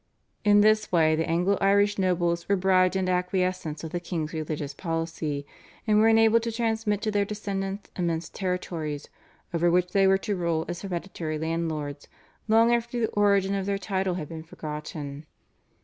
In this way the Anglo Irish nobles were bribed into acquiescence with the king's religious policy, and were enabled to transmit to their descendants immense territories over which they were to rule as hereditary landlords long after the origin of their title had been forgotten.